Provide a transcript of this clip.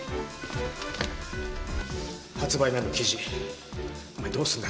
発売前の記事お前どうするんだ？